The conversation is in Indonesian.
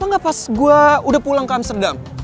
kenapa ga pas gua udah pulang ke amsterdam